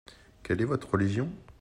Quelle est votre religion ?